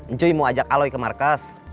enjoy mau ajak aloy ke markas